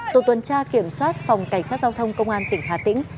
tổ tuần tra kiểm soát phòng cảnh sát giao thông công an tỉnh hà tĩnh